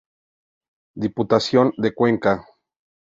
Diputación de Cuenca.